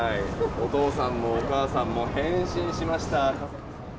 お父さんもお母さんも変身しました。